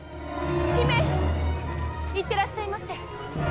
姫、行ってらっしゃいませ。